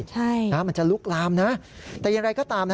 ใช่นะมันจะลุกลามนะแต่อย่างไรก็ตามนะ